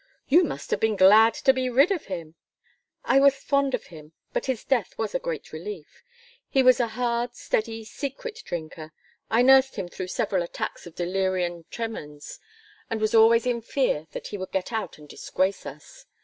"You must have been glad to be rid of him!" "I was fond of him, but his death was a great relief. He was a hard steady secret drinker. I nursed him through several attacks of delirium tremens, and was always in fear that he would get out and disgrace us.